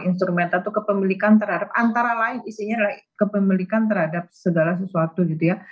instrumen atau kepemilikan terhadap antara lain isinya adalah kepemilikan terhadap segala sesuatu gitu ya